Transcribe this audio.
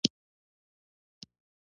علي ډېری وخت په سودا کې ټانګې لګوي.